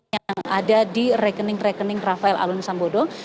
yang ada di rekening rekening rafael alun sambodo